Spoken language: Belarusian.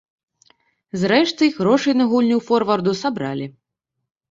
Зрэшты, грошай на гульню форварду сабралі.